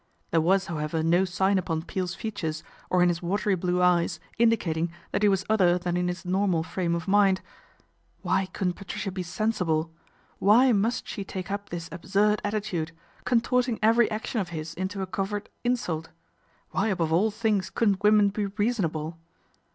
There was, however, no sign upon Peel's features or in his watery blue eyes indicating that he was other than in his normal frame of mind. Why couldn't Patricia be sensible ? Why must she take up this absurd attitude, contorting every action of his into a covert insult ? Why above all things couldn't women be reasonable